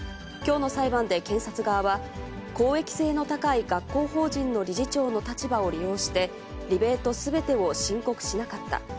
きょうの裁判で検察側は、公益性の高い学校法人の理事長の立場を利用して、リベートすべてを申告しなかった。